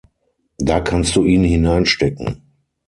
Da kannst du ihn hineinstecken.